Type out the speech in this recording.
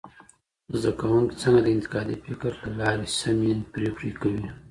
زده کوونکي څنګه د انتقادي فکر له لاري سمي پرېکړي کوي؟